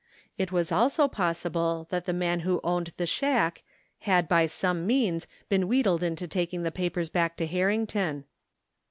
It was also possible that the man who owned the shack had, by some means, been wheedled into taking the papers back to Harring ton.